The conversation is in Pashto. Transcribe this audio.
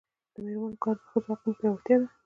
د میرمنو کار د ښځو حقونو پیاوړتیا ده.